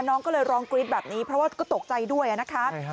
น้องก็เลยร้องกรี๊ดแบบนี้เพราะว่าก็ตกใจด้วยนะคะ